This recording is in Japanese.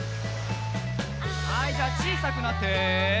はいじゃあちいさくなって。